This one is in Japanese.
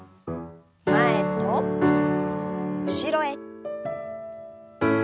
前と後ろへ。